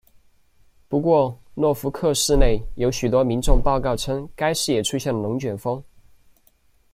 不过诺福克市内有许多民众报告称该市也出现了龙卷风。